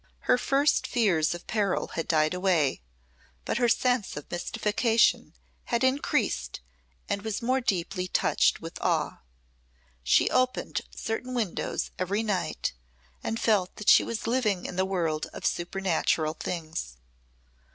Her first fears of peril had died away, but her sense of mystification had increased and was more deeply touched with awe. She opened certain windows every night and felt that she was living in the world of supernatural things.